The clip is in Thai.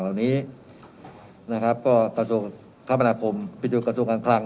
เหล่านี้นะครับก็กระทรวงคมนาคมไปดูกระทรวงการคลัง